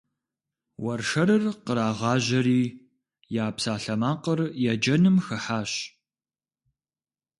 Уэршэрыр кърагъажьэри, я псалъэмакъыр еджэным хыхьащ.